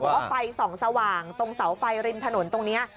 ว่าไฟส่องสว่างตรงเสาไฟริมถนนตรงนี้